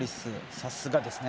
さすがですね。